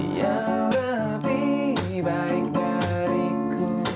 yang lebih baik dariku